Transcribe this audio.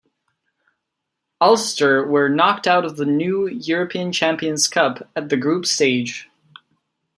Ulster were knocked out of the new European Champions Cup at the group stage.